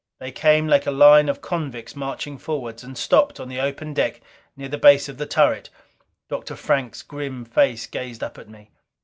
They came like a line of convicts, marching forward, and stopped on the open deck near the base of the turret. Dr. Frank's grim face gazed up at me.